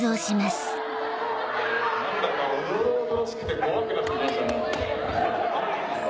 何だかおどろおどろしくて怖くなってきましたね。